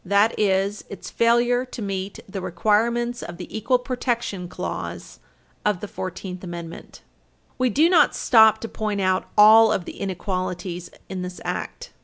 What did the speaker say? That is its failure to meet the requirements of the equal protection clause of the Fourteenth Amendment. We do not stop to point out all of the inequalities in this Act.